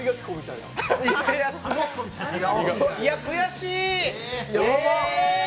いや、悔しい！